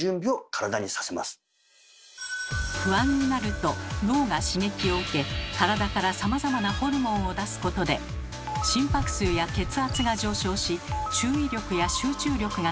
それは脳が刺激を受け体からさまざまなホルモンを出すことで心拍数や血圧が上昇し注意力や集中力が高まります。